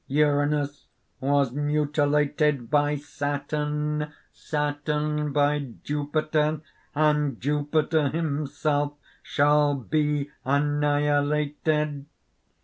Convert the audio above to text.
Uranus was mutilated by Saturn, Saturn by Jupiter. And Jupiter himself shall be annihilated.